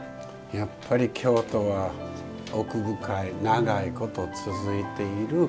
やっぱり京都は奥深い、長いこと続いている。